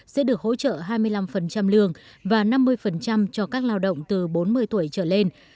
sẽ được hỗ trợ hai mươi năm lương và năm mươi cho các lao động từ bốn mươi tuổi trở lên